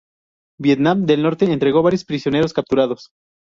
Vietnam del Norte entregó varios prisioneros capturados.